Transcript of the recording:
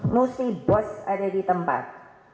mesti bos ada di tempat